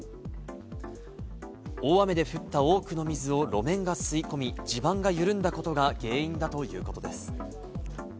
大雨で降った多くの水を路面が吸い込み、地盤が緩んだことが原因だということです。